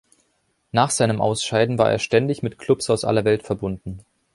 Nach seinem Ausscheiden war er ständig mit Clubs aus aller Welt verbunden.